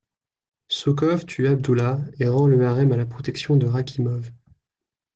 Soukhov tue Abdoullah et rend le harem à la protection de Rakhimov.